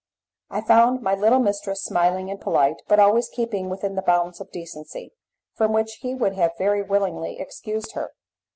He found my little mistress smiling and polite, but always keeping within the bounds of decency, from which he would have very willingly excused her.